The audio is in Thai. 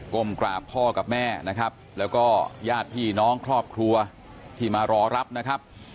ก้มกราบพ่อกับแม่นะครับแล้วก็ญาติพี่น้องครอบครัวที่มารอรับนะครับ